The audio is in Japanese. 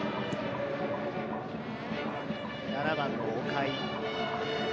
７番の岡井。